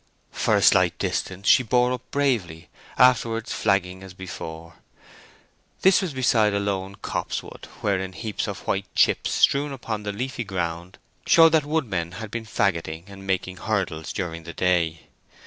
For a slight distance she bore up bravely, afterwards flagging as before. This was beside a lone copsewood, wherein heaps of white chips strewn upon the leafy ground showed that woodmen had been faggoting and making hurdles during the day.